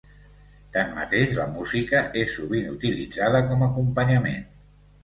Tanmateix, la música és sovint utilitzada com acompanyament.